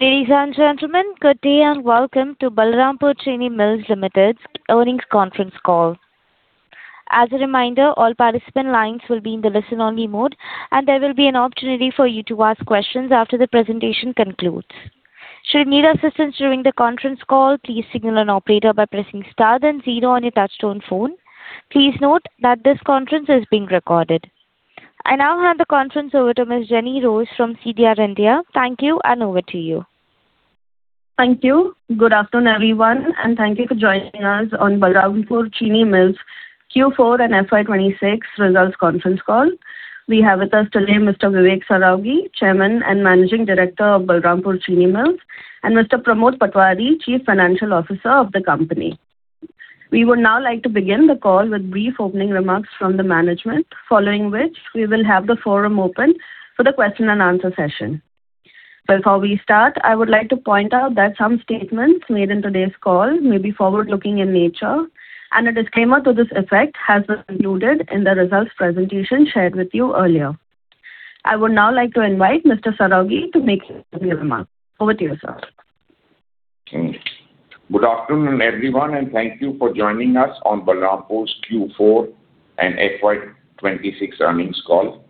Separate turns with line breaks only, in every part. Ladies and gentlemen, good day and welcome to Balrampur Chini Mills Limited's earnings conference call. As a reminder, all participant lines will be in the listen only mode, and there will be an opportunity for you to ask questions after the presentation concludes. Should you need assistance during the conference call, please signal an operator by pressing star then zero on your touchtone phone. Please note that this conference is being recorded. I now hand the conference over to Ms. Jenny Rose from CDR India. Thank you, and over to you.
Thank you. Good afternoon, everyone, and thank you for joining us on Balrampur Chini Mills Q4 and FY 2026 results conference call. We have with us today Mr. Vivek Saraogi, Chairman and Managing Director of Balrampur Chini Mills, and Mr. Pramod Patwari, Chief Financial Officer of the company. We would now like to begin the call with brief opening remarks from the management, following which we will have the forum open for the question and answer session. Before we start, I would like to point out that some statements made in today's call may be forward-looking in nature and a disclaimer to this effect has been included in the results presentation shared with you earlier. I would now like to invite Mr. Saraogi to make his opening remarks. Over to you, sir.
Good afternoon, everyone, thank you for joining us on Balrampur's Q4 and FY 2026 earnings call.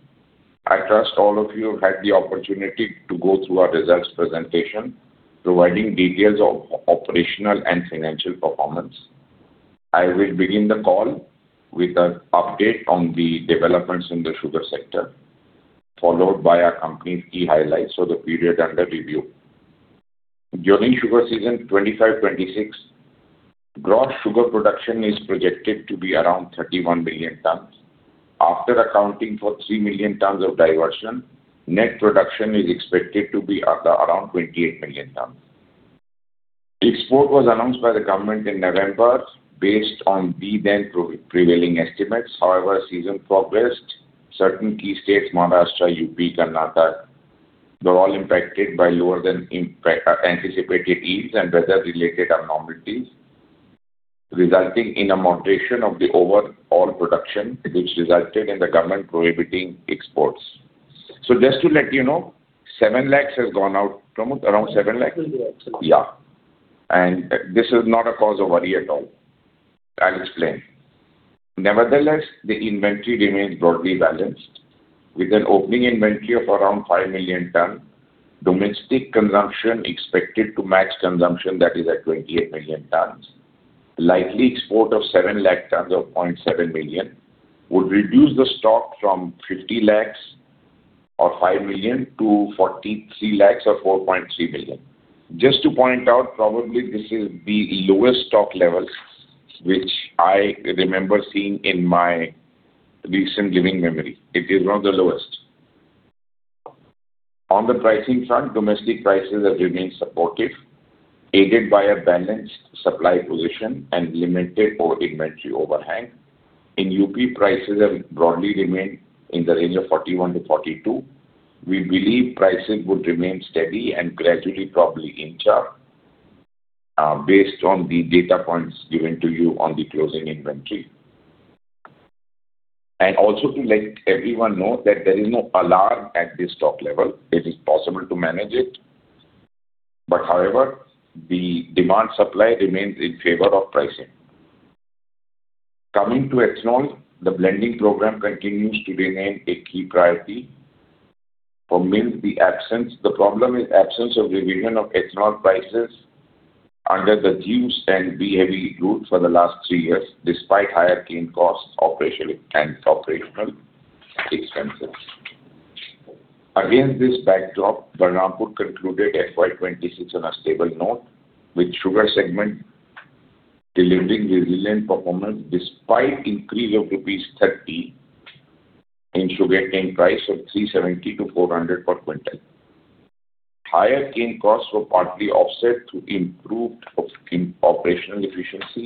I trust all of you have had the opportunity to go through our results presentation providing details of operational and financial performance. I will begin the call with an update on the developments in the sugar sector, followed by our company's key highlights for the period under review. During sugar season 25, 26, gross sugar production is projected to be around 31 million tons. After accounting for 3 million tons of diversion, net production is expected to be at around 28 million tons. Export was announced by the government in November based on the then prevailing estimates. As season progressed, certain key states, Maharashtra, UP, Karnataka, were all impacted by lower than anticipated yields and weather-related abnormalities, resulting in a moderation of the overall production, which resulted in the government prohibiting exports. Just to let you know, 7 lakhs has gone out. Pramod, around 7 lakhs?
INR 7 lakhs.
Yeah. This is not a cause of worry at all. I'll explain. Nevertheless, the inventory remains broadly balanced with an opening inventory of around 5 million tons, domestic consumption expected to max consumption that is at 28 million tons. Likely export of 7 lakh tons or 0.7 million would reduce the stock from 50 lakhs or 5 million to 43 lakhs or 4.3 million. Just to point out, probably this is the lowest stock levels which I remember seeing in my recent living memory. It is one of the lowest. On the pricing front, domestic prices have remained supportive, aided by a balanced supply position and limited or inventory overhang. In UP, prices have broadly remained in the range of 41 lakh-42 lakh. We believe pricing would remain steady and gradually probably inch up, based on the data points given to you on the closing inventory. Also to let everyone know that there is no alarm at this stock level. It is possible to manage it. However, the demand supply remains in favor of pricing. Coming to ethanol, the blending program continues to remain a key priority. For mills, the problem is absence of revision of ethanol prices under the juice and B-heavy molasses route for the last three years, despite higher cane costs and operational expenses. Against this backdrop, Balrampur concluded FY 2026 on a stable note, with sugar segment delivering resilient performance despite increase of rupees 30 lakh in sugar cane price of 370 lakh-400 lakh per quintal. Higher cane costs were partly offset through improved operational efficiency,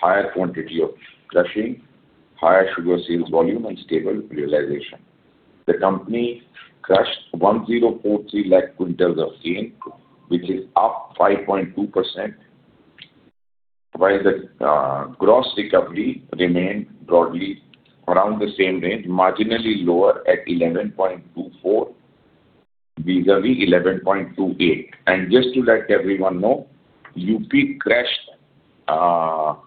higher quantity of crushing, higher sugar sales volume and stable realization. The company crushed 1,043 lakh quintals of cane, which is up 5.2%, while the gross recovery remained broadly around the same range, marginally lower at 11.24% vis-a-vis 11.28%. Just to let everyone know, UP crushed 7%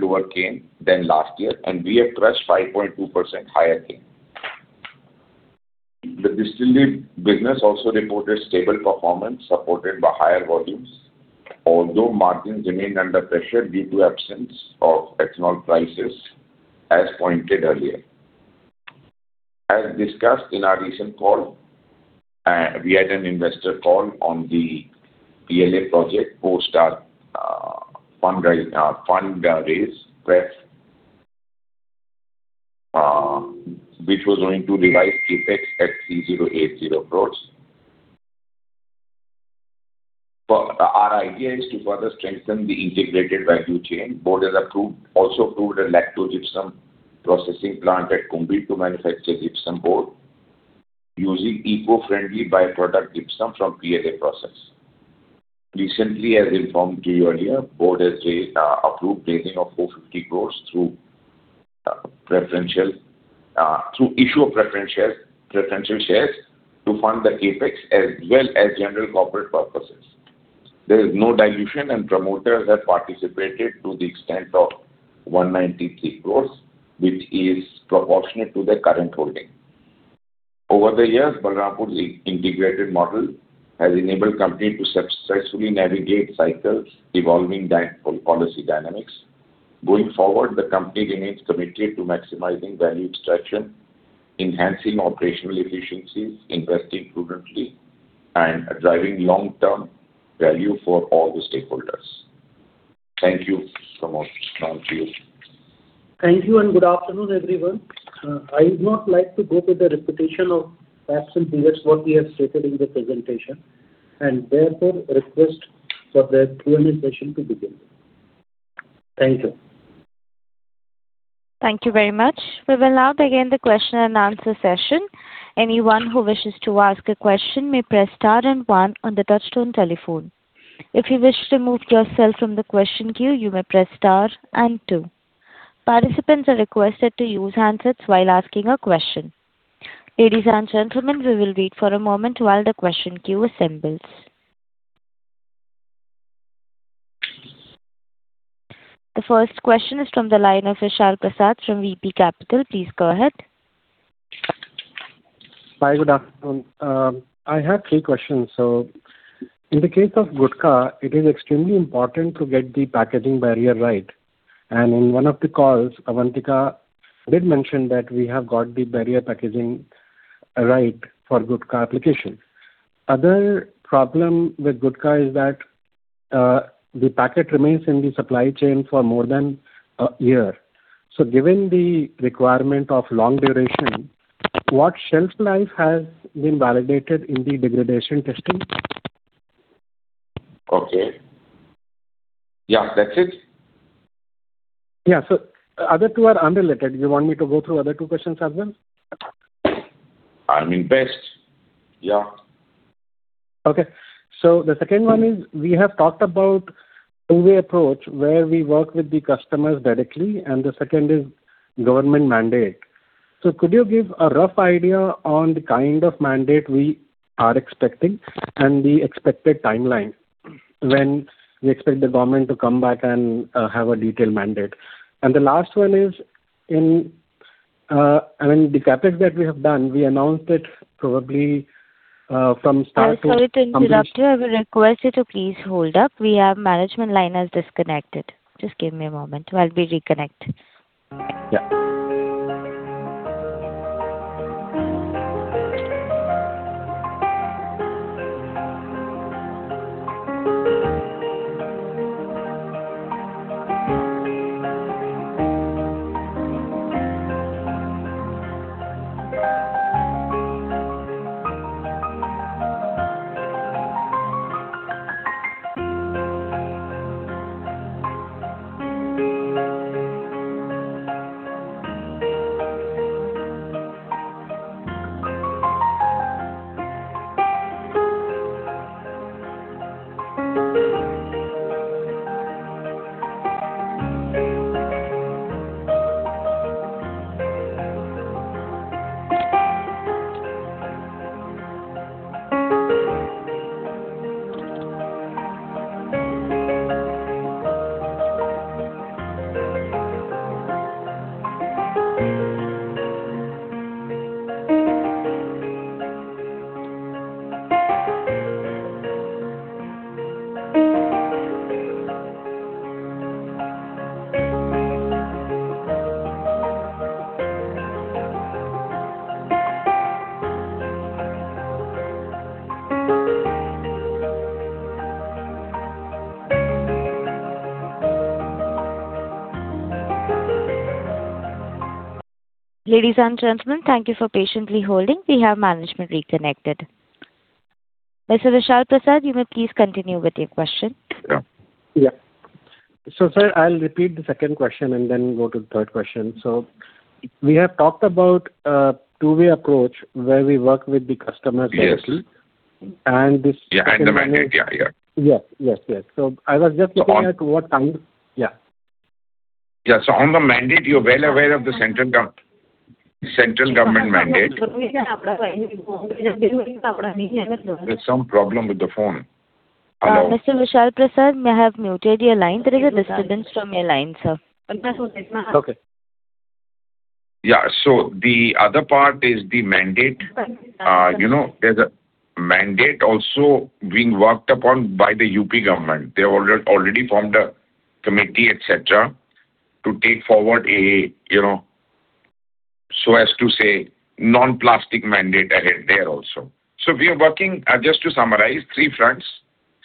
lower cane than last year, and we have crushed 5.2% higher cane. The distillery business also reported stable performance supported by higher volumes, although margins remained under pressure due to absence of ethanol prices, as pointed earlier. As discussed in our recent call, we had an investor call on the PLA project post our fund raise, which was going to revise CapEx at 3,080 crores. Our idea is to further strengthen the integrated value chain. Board has also approved a lacto-gypsum processing plant at Kumbhi to manufacture gypsum board using eco-friendly byproduct gypsum from PLA process. Recently, as informed to you earlier, board has approved raising of 450 crores through preferential issue of preferential shares to fund the CapEx as well as general corporate purposes. There is no dilution, promoters have participated to the extent of 193 crores, which is proportionate to their current holding. Over the years, Balrampur's integrated model has enabled company to successfully navigate cycles, evolving policy dynamics. Going forward, the company remains committed to maximizing value extraction, enhancing operational efficiencies, investing prudently and driving long-term value for all the stakeholders. Thank you so much. Now to you.
Thank you, and good afternoon, everyone. I would not like to go to the repetition of facts and figures what we have stated in the presentation, and therefore request for the Q&A session to begin. Thank you.
Thank you very much. We will now begin the question and answer session. Anyone who wishes to ask a question may press star then one on the touchtone telephone. If you wish to remove yourself from the question queue, you may press star and two. Participants are requested to use handsets while asking a question. Ladies and gentlemen, we will wait for a moment while the question queue assembles. The first question is from the line of Vishal Prasad from VP Capital. Please go ahead.
Hi, good afternoon. I have three questions. In the case of gutkha, it is extremely important to get the packaging barrier right. In one of the calls, Avantika did mention that we have got the barrier packaging right for gutkha application. Other problem with gutkha is that the packet remains in the supply chain for more than one year. Given the requirement of long duration, what shelf life has been validated in the degradation testing?
Okay. Yeah, that's it?
Yeah. Other two are unrelated. Do you want me to go through other two questions as well?
I mean, best. Yeah.
Okay. The second one is, we have talked about two-way approach, where we work with the customers directly, and the second is government mandate. Could you give a rough idea on the kind of mandate we are expecting and the expected timeline when we expect the government to come back and have a detailed mandate? The last one is, I mean, the CapEx that we have done, we announced it probably.
I'm sorry to interrupt you. I would request you to please hold up. We have management line has disconnected. Just give me a moment while we reconnect.
Yeah.
Ladies and gentlemen, thank you for patiently holding. We have management reconnected. Mr. Vishal Prasad, you may please continue with your question.
Yeah. Yeah. Sir, I'll repeat the second question and then go to the third question. We have talked about a two-way approach where we work with the customers directly.
Yes.
And this second one is-
Yeah, the mandate. Yeah, yeah.
Yes. Yes. I was just looking at what kind Yeah.
Yeah. On the mandate, you're well aware of the central government mandate. There's some problem with the phone. Hello?
Mr. Vishal Prasad, I have muted your line. There is a disturbance from your line, sir.
Okay.
The other part is the mandate. You know, there's a mandate also being worked upon by the U.P. government. They already formed a committee, et cetera, to take forward a, you know, so as to say, non-plastic mandate ahead there also. We are working, just to summarize, three fronts: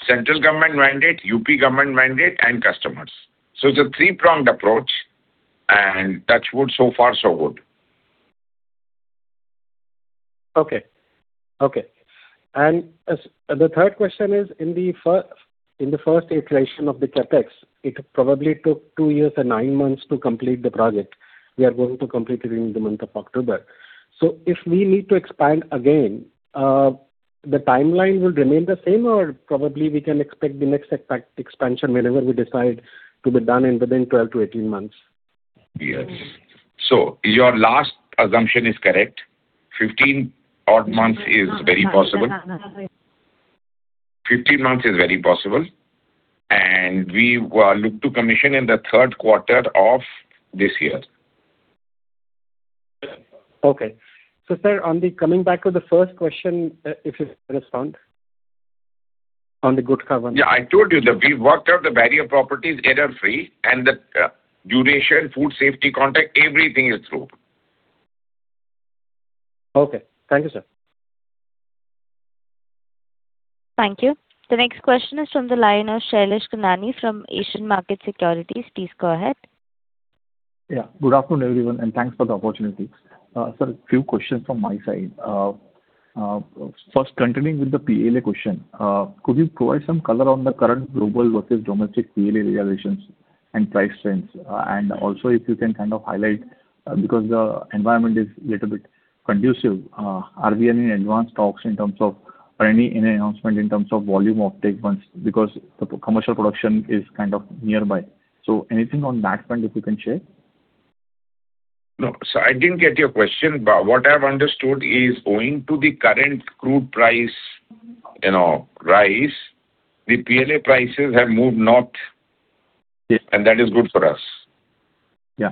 central government mandate, U.P. government mandate, and customers. It's a three-pronged approach, and touch wood, so far so good.
Okay. Okay. As the third question is, in the first iteration of the CapEx, it probably took two years and nine months to complete the project. We are going to complete it in the month of October. If we need to expand again, the timeline will remain the same, or probably we can expect the next expansion whenever we decide to be done in within 12 months-18 months?
Yes. Your last assumption is correct. 15 odd months is very possible. 15 months is very possible, and we look to commission in the third quarter of this year.
Okay. sir, coming back to the first question, if you could respond on the gutkha.
Yeah, I told you that we've worked out the barrier properties error free and the duration, food safety contact, everything is through.
Okay. Thank you, sir.
Thank you. The next question is from the line of Shailesh Kanani from Asian Market Securities. Please go ahead.
Good afternoon, everyone, and thanks for the opportunity. Sir, few questions from my side. First continuing with the PLA question, could you provide some color on the current global versus domestic PLA realizations and price trends? Also if you can kind of highlight, because the environment is little bit conducive, are we in any advanced talks in terms of or any announcement in terms of volume of take ones because the commercial production is kind of nearby. Anything on that front, if you can share?
No. I didn't get your question. What I've understood is owing to the current crude price, you know, rise, the PLA prices have moved north.
Yes.
That is good for us.
Yeah.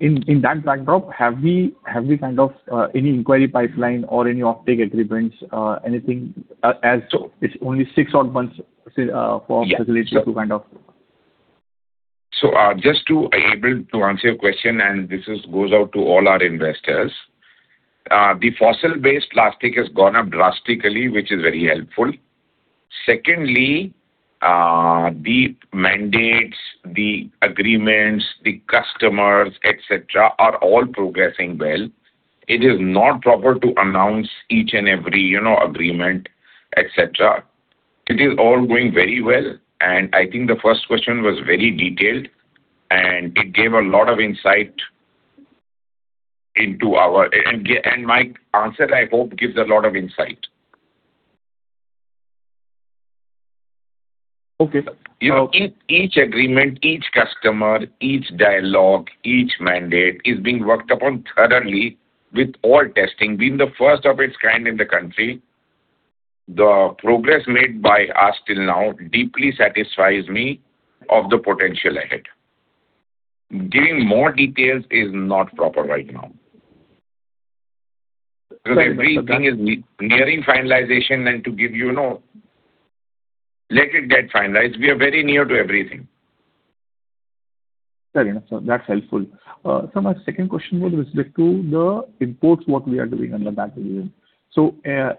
In that backdrop, have we kind of any inquiry pipeline or any offtake agreements, anything as? It's only six odd months for facilities to.
Just to able to answer your question, and this goes out to all our investors, the fossil-based plastic has gone up drastically, which is very helpful. Secondly, the mandates, the agreements, the customers, et cetera, are all progressing well. It is not proper to announce each and every, you know, agreement, et cetera. It is all going very well, and I think the first question was very detailed, and it gave a lot of insight into our. My answer, I hope, gives a lot of insight.
Okay.
You know, each agreement, each customer, each dialogue, each mandate is being worked upon thoroughly with all testing. Being the first of its kind in the country, the progress made by us till now deeply satisfies me of the potential ahead. Giving more details is not proper right now.
Understood, sir.
Everything is nearing finalization. Let it get finalized. We are very near to everything.
Fair enough, sir. That's helpful. Sir, my second question was with respect to the imports, what we are doing on the back of this.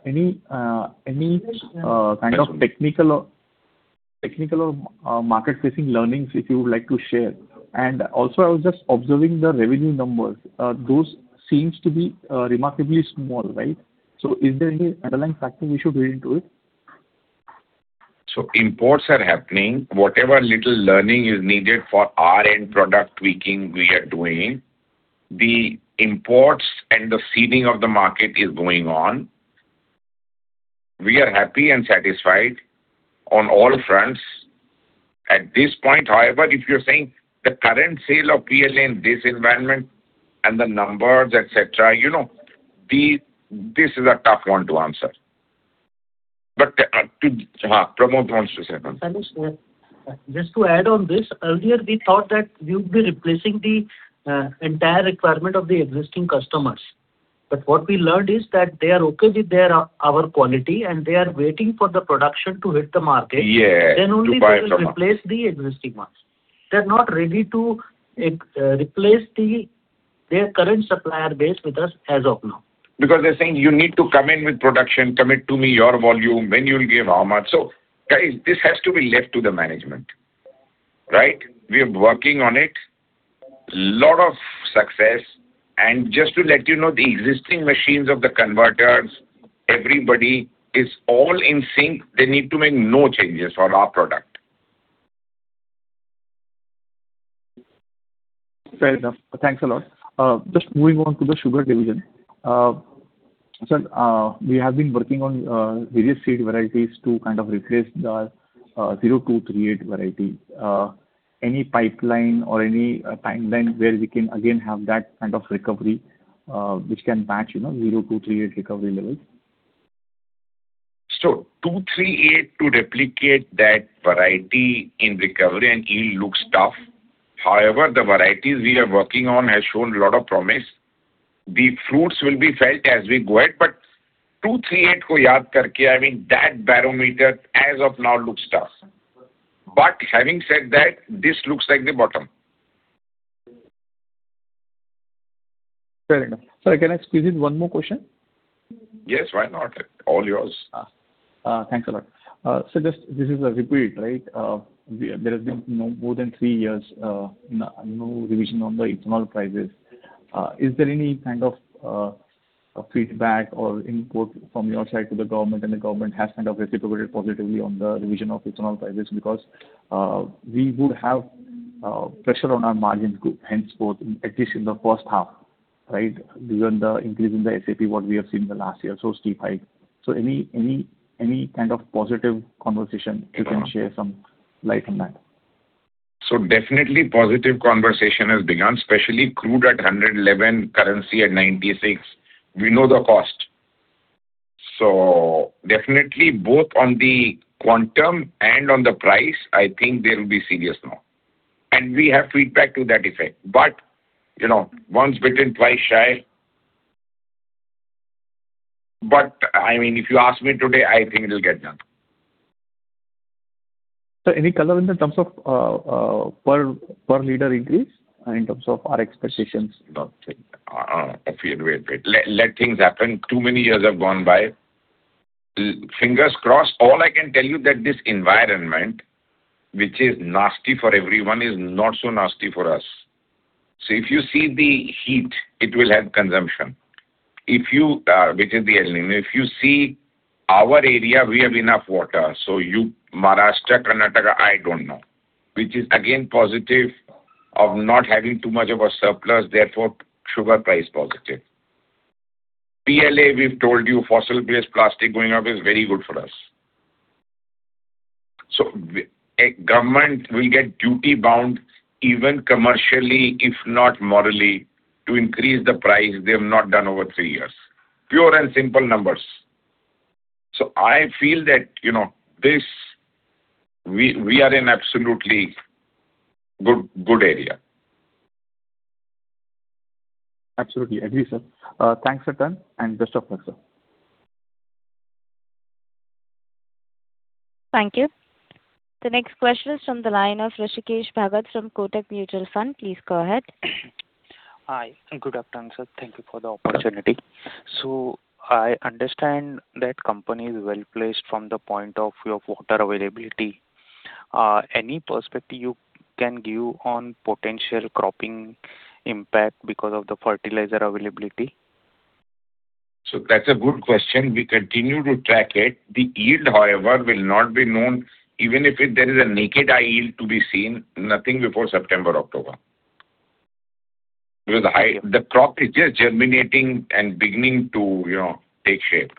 Any kind of technical or market-facing learnings if you would like to share? I was just observing the revenue numbers. Those seems to be remarkably small, right? Is there any underlying factor we should read into it?
Imports are happening. Whatever little learning is needed for our end product tweaking, we are doing. The imports and the seeding of the market is going on. We are happy and satisfied on all fronts. At this point, however, if you're saying the current sale of PLA in this environment and the numbers, et cetera, you know, this is a tough one to answer. Pramod wants to say something.
Shailesh, just to add on this, earlier we thought that we would be replacing the entire requirement of the existing customers. What we learned is that they are okay with their, our quality, and they are waiting for the production to hit the market.
Yeah.
Only they will replace the existing ones. They're not ready to replace their current supplier base with us as of now.
Because they're saying you need to come in with production, commit to me your volume, when you'll give, how much. Guys, this has to be left to the management, right? We are working on it. Lot of success. Just to let you know, the existing machines of the converters, everybody is all in sync. They need to make no changes for our product.
Fair enough. Thanks a lot. Just moving on to the sugar division. Sir, we have been working on various seed varieties to kind of replace the 0238 variety. Any pipeline or any timeline where we can again have that kind of recovery, which can match, you know, 0238 recovery levels?
0238, to replicate that variety in recovery and yield looks tough. However, the varieties we are working on has shown a lot of promise. The fruits will be felt as we go ahead, but 0238 I mean, that barometer as of now looks tough. Having said that, this looks like the bottom.
Fair enough. Sir, can I squeeze in one more question?
Yes, why not? All yours.
Thanks a lot. Just this is a repeat, right? There has been no more than three years, no revision on the internal prices. A feedback or input from your side to the government, and the government has kind of reciprocated positively on the revision of ethanol prices because we would have pressure on our margins group henceforth, at least in the first half, right? Given the increase in the SAP what we have seen in the last year, so steep hike. Any kind of positive conversation you can share some light on that.
Definitely positive conversation has begun, especially crude at 111, currency at 96. We know the cost. Definitely both on the quantum and on the price, I think there will be serious now. We have feedback to that effect. You know, once bitten, twice shy. I mean, if you ask me today, I think it'll get done.
Any color in the terms of per liter increase in terms of our expectations about things?
Wait, wait. Let things happen. Too many years have gone by. Fingers crossed. All I can tell you that this environment, which is nasty for everyone, is not so nasty for us. If you see the heat, it will help consumption. If you, which is the El Niño. If you see our area, we have enough water. You Maharashtra, Karnataka, I don't know, which is again positive of not having too much of a surplus, therefore sugar price positive. PLA, we've told you, fossil-based plastic going up is very good for us. A government will get duty bound even commercially, if not morally, to increase the price they have not done over three years. Pure and simple numbers. I feel that, you know, this We are in absolutely good area.
Absolutely. Agree, sir. Thanks a ton and best of luck, sir.
Thank you. The next question is from the line of Hrishikesh Bhagat from Kotak Mutual Fund. Please go ahead.
Hi. Good afternoon, sir. Thank you for the opportunity. I understand that company is well-placed from the point of your water availability. Any perspective you can give on potential cropping impact because of the fertilizer availability?
That's a good question. We continue to track it. The yield, however, will not be known even if there is a naked eye yield to be seen, nothing before September, October. The crop is just germinating and beginning to, you know, take shape.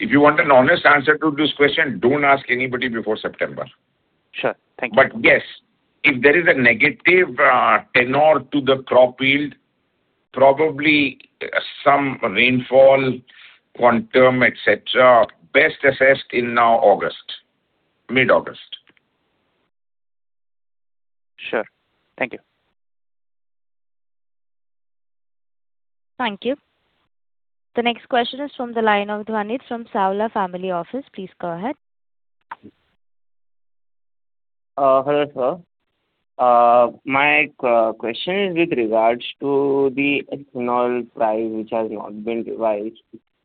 If you want an honest answer to this question, don't ask anybody before September.
Sure. Thank you.
Yes, if there is a negative tenor to the crop yield, probably some rainfall, quantum, et cetera, best assessed in August, mid-August.
Sure. Thank you.
Thank you. The next question is from the line of Dhanit from Sawla Family Office. Please go ahead.
Hello, sir. My question is with regards to the ethanol price, which has not been revised.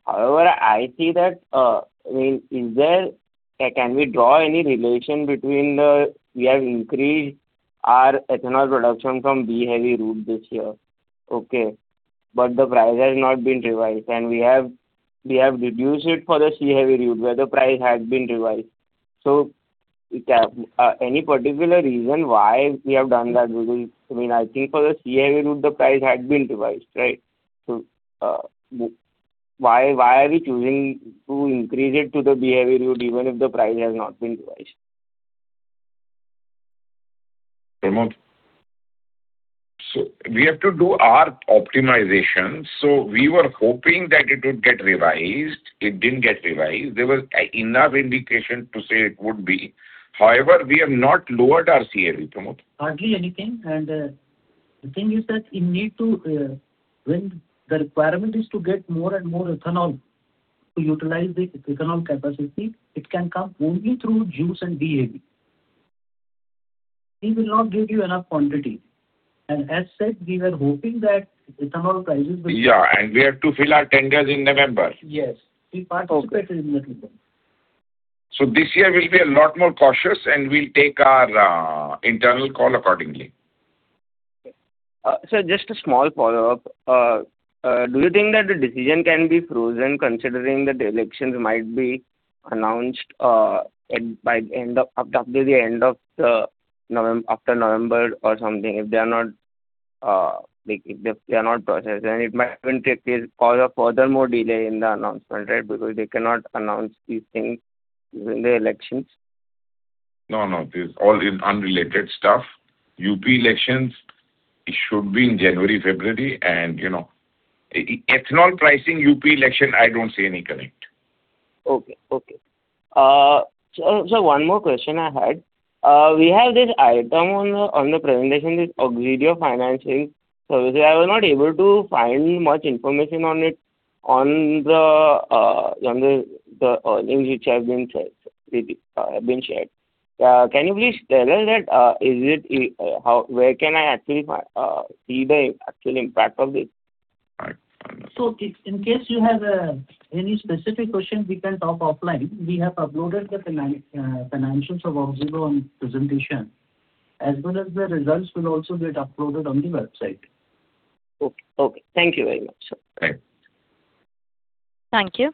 I see that, I mean, is there can we draw any relation between the We have increased our ethanol production from B-heavy route this year, okay. The price has not been revised, and we have reduced it for the C-heavy route, where the price has been revised. Any particular reason why we have done that? I mean, I think for the C-heavy route, the price had been revised, right? Why are we choosing to increase it to the B-heavy route even if the price has not been revised?
Pramod. We have to do our optimization. We were hoping that it would get revised. It didn't get revised. There was enough indication to say it would be. However, we have not lowered our C heavy, Pramod.
Hardly anything. The thing is that you need to When the requirement is to get more and more ethanol to utilize the ethanol capacity, it can come only through juice and B heavy. These will not give you enough quantity. As said, we were hoping that ethanol prices will.
Yeah, we have to fill our tenders in November.
Yes. We participated in November.
This year we'll be a lot more cautious, and we'll take our internal call accordingly.
Sir, just a small follow-up. Do you think that the decision can be frozen considering that elections might be announced at by end of up to the end of after November or something, if they are not if they are not processed? It might even take this cause of further more delay in the announcement, right? Because they cannot announce these things during the elections.
No, no. This all is unrelated stuff. UP elections should be in January, February, you know. Ethanol pricing, UP election, I don't see any connect.
Okay, okay. So one more question I had. We have this item on the presentation, this Auxilo financing. I was not able to find much information on it on the earnings which have been shared. Can you please tell us that, is it how where can I actually find the actual impact of this?
I don't know.
In case you have any specific questions, we can talk offline. We have uploaded the financials of Auxilio on presentation. As well as the results will also get uploaded on the website.
Okay. Thank you very much, sir.
Right.
Thank you.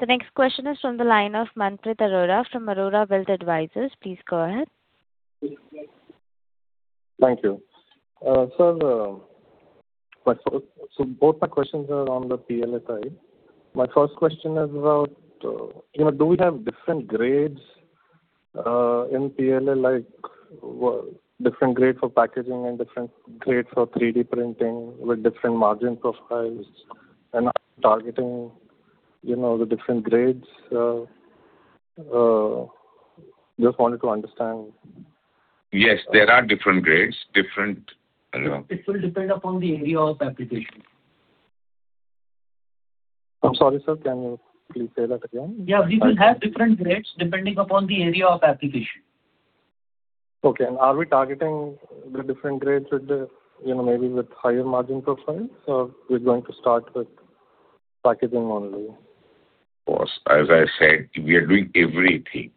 The next question is from the line of Manpreet Arora from Arora Wealth Advisors. Please go ahead.
Thank you. Sir, both my questions are on the PLA side. My first question is about, you know, do we have different grades in PLA, like different grade for packaging and different grade for 3D printing with different margin profiles and are targeting, you know, the different grades? Just wanted to understand.
Yes, there are different grades. Different, you know.
It will depend upon the area of application.
I'm sorry, sir. Can you please say that again?
Yeah. We will have different grades depending upon the area of application.
Okay. Are we targeting the different grades with the, you know, maybe with higher margin profiles, or we're going to start with packaging only?
Of course. As I said, we are doing everything.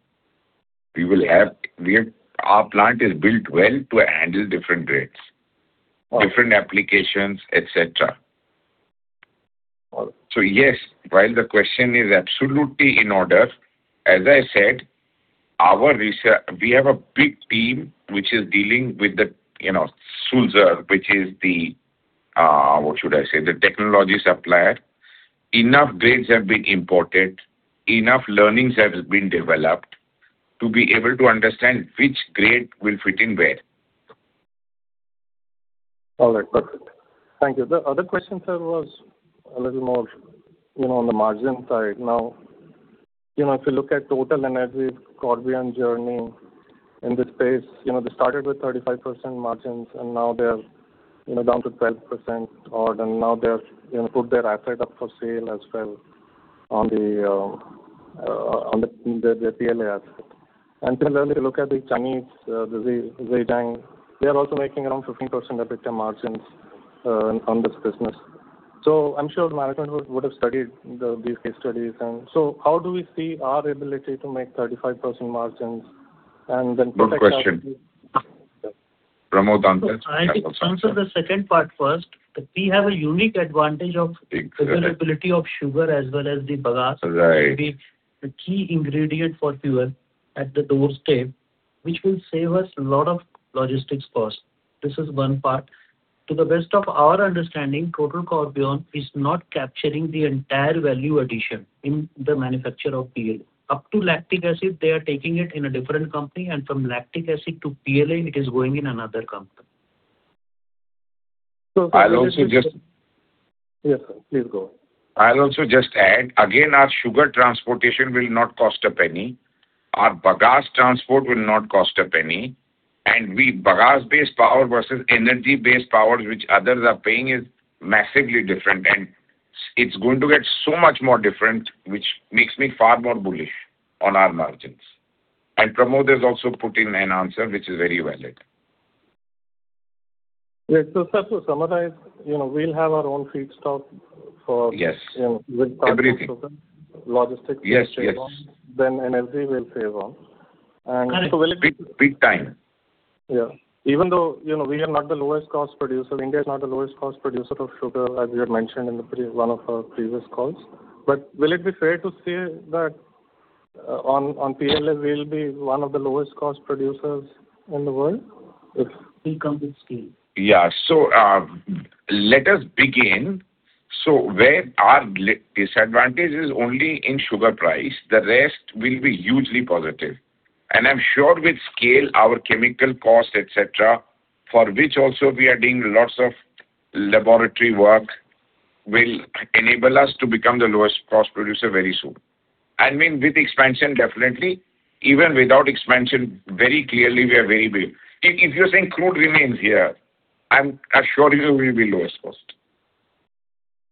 Our plant is built well to handle different grades.
Okay
Different applications, et cetera.
Okay.
Yes, while the question is absolutely in order, as I said, we have a big team which is dealing with the, you know, Sulzer, which is the, what should I say, the technology supplier. Enough grades have been imported, enough learnings have been developed to be able to understand which grade will fit in where.
All right. Perfect. Thank you. The other question, sir, was a little more, you know, on the margin side. Now, you know, if you look at TotalEnergies Corbion journey in this space, you know, they started with 35% margins and now they're, you know, down to 12% odd, now they've, you know, put their asset up for sale as well on their PLA asset. Similarly look at the Chinese, the Zhejiang. They are also making around 15% EBITDA margins on this business. I'm sure management would have studied these case studies. How do we see our ability to make 35% margins.
Good question. Pramod answer.
I think to answer the second part first, that we have a unique advantage.
Exactly
Availability of sugar as well as the bagasse.
Right
Which will be the key ingredient for fuel at the doorstep, which will save us a lot of logistics costs. This is one part. To the best of our understanding, Total Corbion is not capturing the entire value addition in the manufacture of PLA. Up to lactic acid, they are taking it in a different company, and from lactic acid to PLA, it is going in another company.
So-
I'll also just-
Yes, sir. Please go on.
I'll also just add, again, our sugar transportation will not cost a penny. Our bagasse transport will not cost a penny. We bagasse-based power versus energy-based power, which others are paying, is massively different. It's going to get so much more different, which makes me far more bullish on our margins. Pramod has also put in an answer which is very valid.
Yeah. Sir, to summarize, you know, we'll have our own feedstock.
Yes
you know.
Everything
Logistics-
Yes, yes
Energy will favor.
Big, big time.
Yeah. Even though, you know, we are not the lowest cost producer, India is not the lowest cost producer of sugar, as we had mentioned in one of our previous calls, but will it be fair to say that on PLA we'll be one of the lowest cost producers in the world.
We come to scale.
Let us begin. Where our disadvantage is only in sugar price, the rest will be hugely positive. I'm sure with scale, our chemical cost, et cetera, for which also we are doing lots of laboratory work, will enable us to become the lowest cost producer very soon. I mean, with expansion, definitely. Even without expansion, very clearly we are very big. If you think crude remains here, I assure you we'll be lowest cost.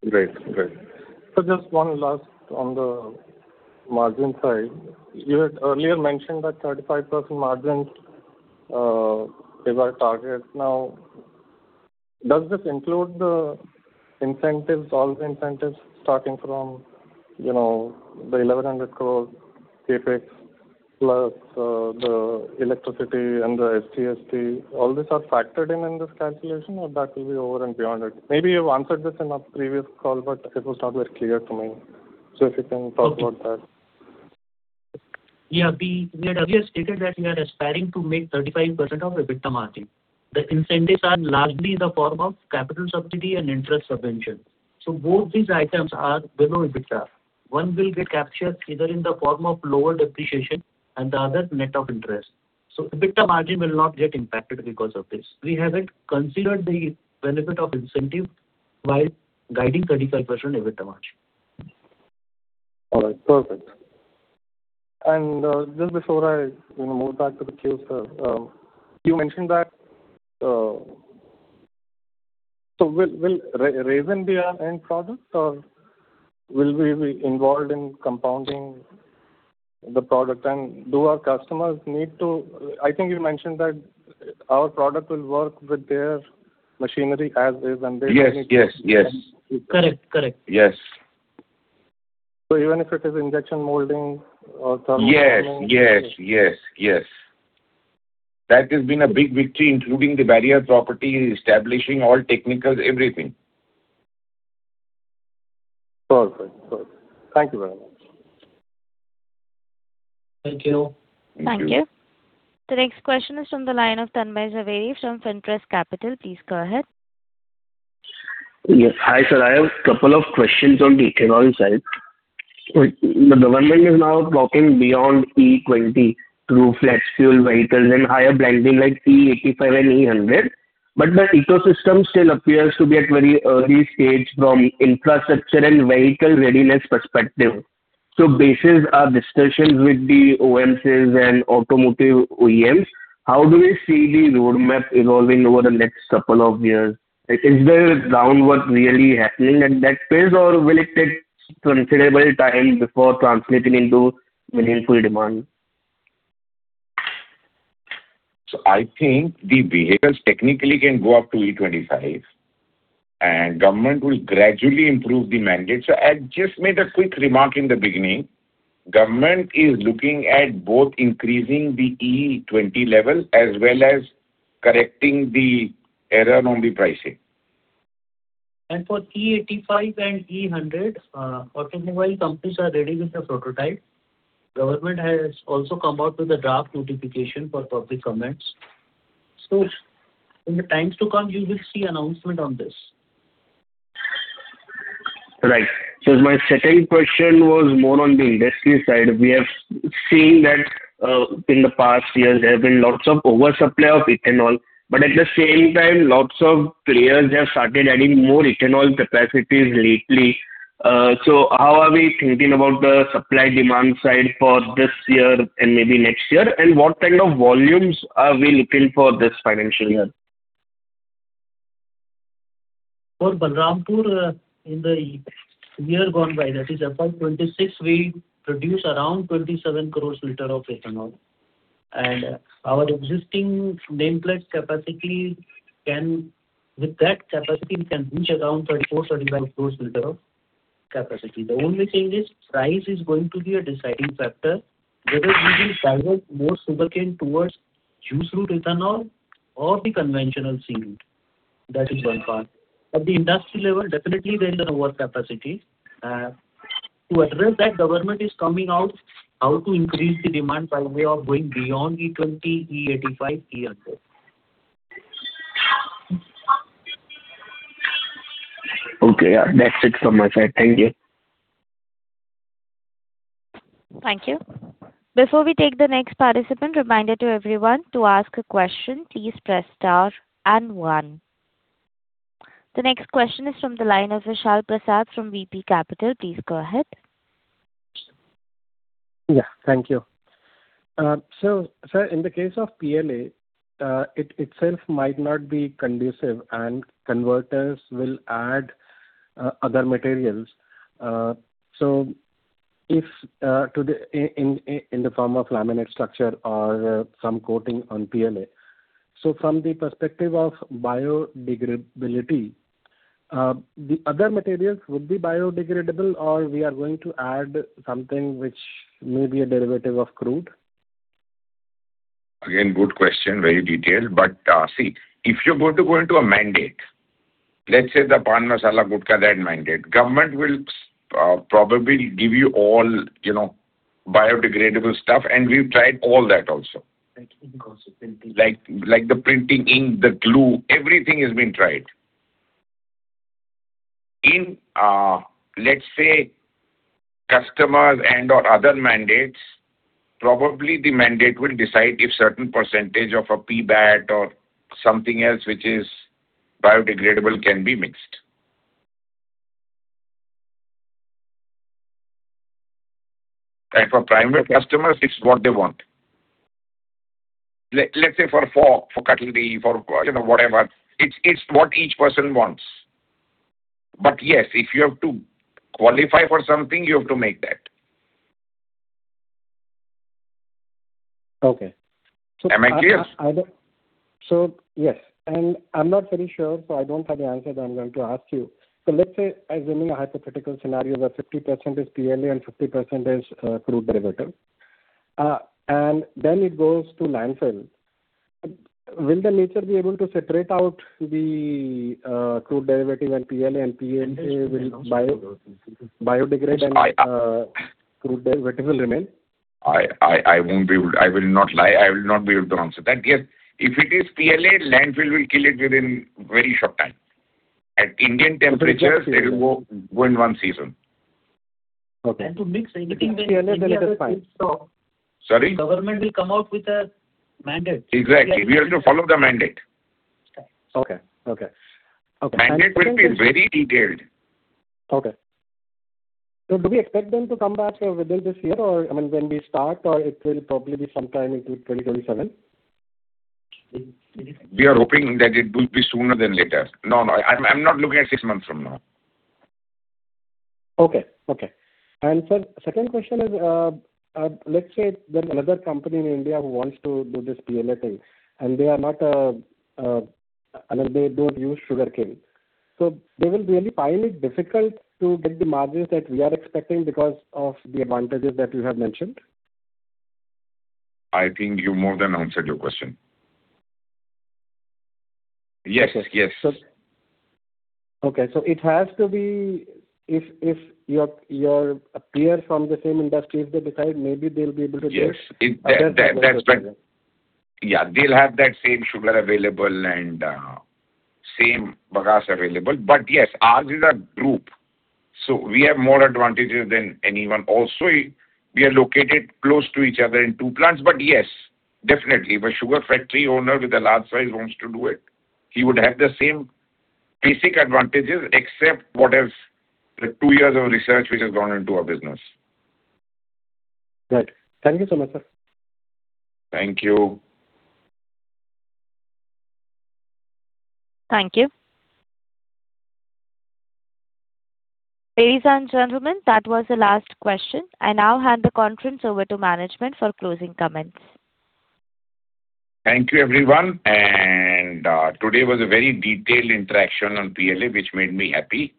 Great. Great. Just one last on the margin side. You had earlier mentioned that 35% margins is our target. Does this include the incentives, all the incentives starting from, you know, the 1,100 crore CapEx plus the electricity and the STSD? All these are factored in in this calculation or that will be over and beyond it? Maybe you've answered this in a previous call, but it was not very clear to me. If you can talk about that.
Okay. Yeah. We had earlier stated that we are aspiring to make 35% of EBITDA margin. The incentives are largely in the form of capital subsidy and interest subvention. Both these items are below EBITDA. One will get captured either in the form of lower depreciation and the other net of interest. EBITDA margin will not get impacted because of this. We haven't considered the benefit of incentive while guiding 35% EBITDA margin.
All right. Perfect. Just before I, you know, move back to the queue, sir, you mentioned that will resin be our end product or will we be involved in compounding the product? Do our customers need to, I think you mentioned that our product will work with their machinery as is?
Yes, yes.
Correct, correct.
Yes
Even if it is injection molding or thermal molding.
Yes, yes, yes. That has been a big victory, including the barrier property, establishing all technical everything.
Perfect. Perfect. Thank you very much.
Thank you.
Thank you.
Thank you. The next question is from the line of Tanmay Zaveri from Finpress Capital. Please go ahead.
Yes. Hi, sir, I have two questions on the ethanol side. The government is now talking beyond E20 through flex fuel vehicles and higher blending like E85 and E100. The ecosystem still appears to be at very early stage from infrastructure and vehicle readiness perspective. Basis our discussions with the OMCs and automotive OEMs, how do you see the roadmap evolving over the next two years? Is the groundwork really happening in that phase, or will it take considerable time before translating into meaningful demand?
I think the vehicles technically can go up to E25, and government will gradually improve the mandate. I just made a quick remark in the beginning. Government is looking at both increasing the E20 level as well as correcting the error on the pricing.
For E85 and E100, automobile companies are ready with the prototype. Government has also come out with a draft notification for public comments. In the times to come, you will see announcement on this.
Right. My second question was more on the industry side. We have seen that, in the past years there have been lots of oversupply of ethanol, but at the same time, lots of players have started adding more ethanol capacities lately. How are we thinking about the supply demand side for this year and maybe next year? What kind of volumes are we looking for this financial year?
For Balrampur, in the year gone by, that is FY 2026, we produced around 27 crores liter of ethanol. Our existing nameplate capacity With that capacity we can reach around 34 crores-35 crores liter of capacity. The only thing is price is going to be a deciding factor, whether we will favor more sugarcane towards juice route ethanol or the conventional C route. That is one part. At the industry level, definitely there is an overcapacity. To address that, government is coming out how to increase the demand by way of going beyond E20, E85, E100.
Okay. Yeah. That's it from my side. Thank you.
Thank you. Before we take the next participant, reminder to everyone, to ask a question, please press star and one. The next question is from the line of Vishal Prasad from VP Capital. Please go ahead.
Yeah. Thank you. Sir, in the case of PLA, it itself might not be conducive and converters will add other materials if to the form of laminate structure or some coating on PLA. From the perspective of biodegradability, the other materials would be biodegradable or we are going to add something which may be a derivative of crude?
Again, good question. Very detailed. See, if you're going to go into a mandate, let's say the pan masala gutkha, that mandate. Government will probably give you all, you know, biodegradable stuff, and we've tried all that also.
Like ink also.
Like the printing ink, the glue, everything has been tried. In, let's say customers and/or other mandates, probably the mandate will decide if certain percentage of a PBAT or something else which is biodegradable can be mixed. For primary customers, it's what they want. Let's say for Cutily, for, you know, whatever, it's what each person wants. But yes, if you have to qualify for something, you have to make that.
Okay.
Am I clear?
Yes, and I'm not very sure, so I don't have the answer that I'm going to ask you. Let's say assuming a hypothetical scenario where 50% is PLA and 50% is crude derivative, and then it goes to landfill. Will the nature be able to separate out the crude derivative and PLA, and PLA will biodegrade and crude derivative will remain?
I will not lie. I will not be able to answer that. Yes, if it is PLA, landfill will kill it within very short time. At Indian temperatures, it will go in one season.
Okay.
To mix anything.
If it's PLA, then it is fine.
The government will stop.
Sorry?
Government will come out with a mandate.
Exactly. We have to follow the mandate.
Okay. Okay. Okay.
Mandate will be very detailed.
Okay. Do we expect them to come back within this year or, I mean, when we start, or it will probably be sometime into 2027?
We are hoping that it will be sooner than later. No, I'm not looking at six months from now.
Okay. Okay. sir, second question is, let's say there's another company in India who wants to do this PLA thing, they are not a. Then they don't use sugarcane. They will really find it difficult to get the margins that we are expecting because of the advantages that you have mentioned?
I think you more than answered your question. Yes, yes.
Okay. It has to be If your peer from the same industry, if they decide maybe they'll be able to do it.
Yes. They'll have that same sugar available and same bagasse available. Yes, ours is a group, so we have more advantages than anyone. We are located close to each other in two plants. Yes, definitely. If a sugar factory owner with a large size wants to do it, he would have the same basic advantages except whatever the two years of research which has gone into our business.
Right. Thank you so much, sir.
Thank you.
Thank you. Ladies and gentlemen, that was the last question. I now hand the conference over to management for closing comments.
Thank you, everyone. Today was a very detailed interaction on PLA, which made me happy.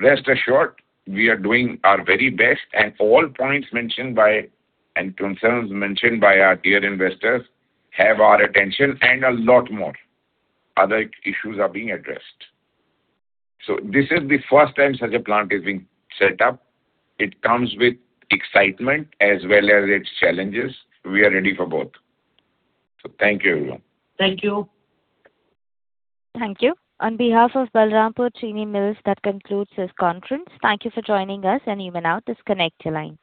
Rest assured we are doing our very best, and all points mentioned by, and concerns mentioned by our dear investors have our attention and a lot more. Other issues are being addressed. This is the first time such a plant is being set up. It comes with excitement as well as its challenges. We are ready for both. Thank you, everyone.
Thank you.
Thank you. On behalf of Balrampur Chini Mills, that concludes this conference. Thank you for joining us, and you may now disconnect your lines.